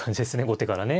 後手からね。